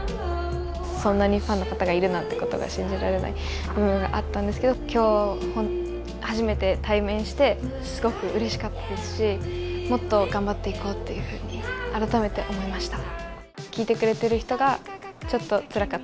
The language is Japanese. そんなにファンの方がいるなんてことが信じられない部分があったんですけど、きょう、初めて対面して、すごくうれしかったですし、もっと頑張っていこうっていうふうに、改めて思いました。